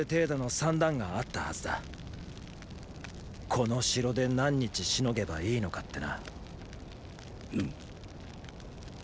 この城で何日しのげばいいのかってな。！